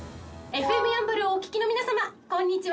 ＦＭやんばるをお聞きの皆様こんにちは。